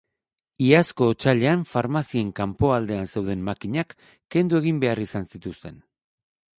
Iazko otsailean farmazien kanpo aldean zeuden makinak kendu egin behar izan zituzten.